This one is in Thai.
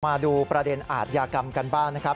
มาดูประเด็นอาทยากรรมกันบ้างนะครับ